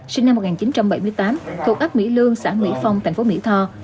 sinh năm một nghìn chín trăm bảy mươi tám thuộc ấp mỹ lương xã mỹ phong thành phố mỹ tho